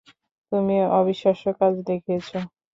তুমি অবিশ্বাস্য কাজ দেখিয়েছ!